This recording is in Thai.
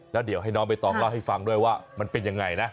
แล้วเดี๋ยวให้น้องใบตองเล่าให้ฟังด้วยว่ามันเป็นยังไงนะ